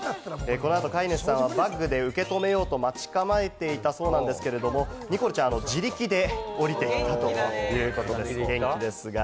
このあと飼い主さんはバッグで受け止めようと待ち構えていたそうなんですけれども、にこるちゃん、自力で降りてきたということだそうです。